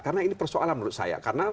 karena ini persoalan menurut saya